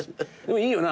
いいよな？